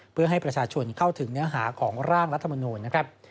เพื่อให้ประชาชนเข้าถึงเนื้อหาของร่างรัฐมนูลนะครับ